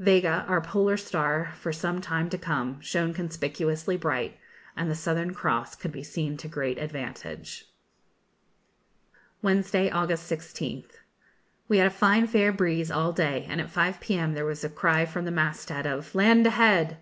Vega, our polar star for some time to come, shone conspicuously bright, and the Southern Cross could be seen to great advantage. Wednesday, August 16th. We had a fine fair breeze all day, and at 5 p.m. there was a cry from the mast head of 'Land ahead!'